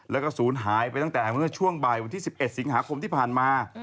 แล้วก็ศูนย์หายไปตั้งแต่เมื่อช่วงบ่ายวันที่๑๑สิงหาคมที่ผ่านมา